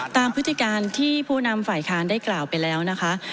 พฤติการที่ผู้นำฝ่ายค้านได้กล่าวไปแล้วนะคะ